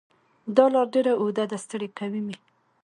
دا لار ډېره اوږده ده ستړی کوی مې